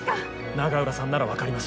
永浦さんなら分かります！